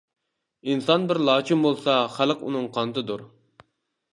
ئىنسان بىر لاچىن بولسا، خەلق ئۇنىڭ قانىتىدۇر.